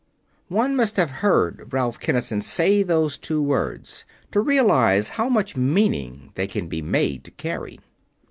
One must have heard Ralph Kinnison say those two words to realize how much meaning they can be made to carry.